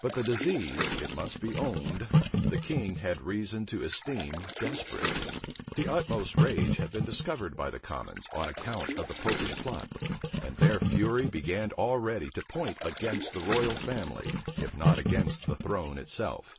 But the disease, it must be owned, the king had reason to esteem desperate. The utmost rage had been discovered by the commons, on account of the Popish plot; and their fury began already to point against the royal family, if not against the throne itself.